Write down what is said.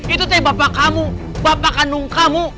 itu teh bapak kamu bapak kandung kamu